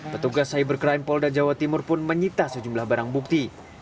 petugas cybercrime polda jawa timur pun menyita sejumlah barang bukti